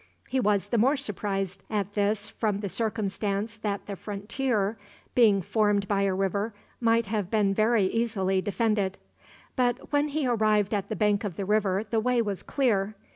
He was the more surprised at this from the circumstance that the frontier, being formed by a river, might have been very easily defended. But when he arrived at the bank of the river the way was clear.